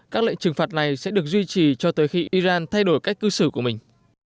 các lệnh trừng phạt này sẽ được duy trì cho tới khi iran thay đổi cách cư xử của mình